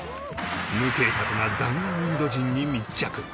無計画な弾丸インド人に密着